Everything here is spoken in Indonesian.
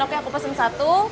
oke aku pesen satu